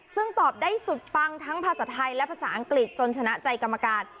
ซึ่งตอบได้สุดปังทั้งภาษาไทยและภาษาอังกฤษจนชนะใจกรรมการ